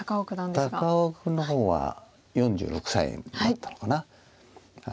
高尾君の方は４６歳になったのかな。